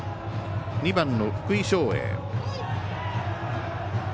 ２番の福井翔英。